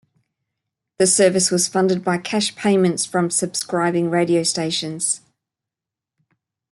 The service was funded by cash payments from subscribing radio stations.